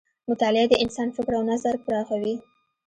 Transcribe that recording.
مطالعه د انسان فکر او نظر پراخوي.